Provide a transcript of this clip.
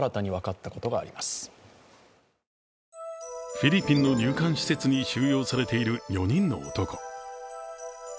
フィリピンの入管施設に収容されている４人の男。